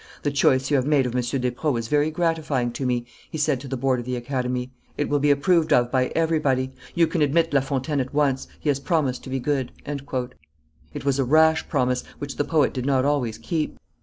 "The choice you have made of M. Despreaux is very gratifying to me," he said to the board of the Academy: "it will be approved of by everybody. You can admit La Fontaine at once; he has promised to be good." It was a rash promise, which the poet did not always keep.